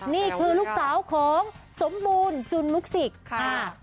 นี่คือลูกสาวของสมบูรณ์จุนมุกสิกค่ะ